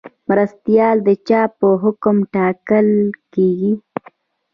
مرستیالان د چا په حکم ټاکل کیږي؟